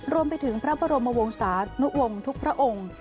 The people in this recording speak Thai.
รวมไปถึงพระบรมวงศานุวงศ์ทุกพระองค์